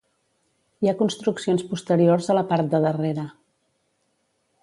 Hi ha construccions posteriors a la part de darrere.